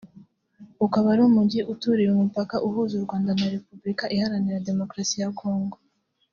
ukaba ari umujyi uturiye umupaka uhuza u Rwanda na Repubulika iharanira Demokarasi ya Congo